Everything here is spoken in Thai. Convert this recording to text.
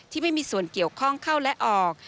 ไม่มีส่วนเกี่ยวข้องเข้าและออก